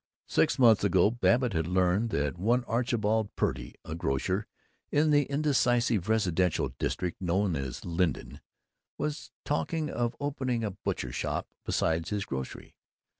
Six months ago Babbitt had learned that one Archibald Purdy, a grocer in the indecisive residential district known as Linton, was talking of opening a butcher shop beside his grocery.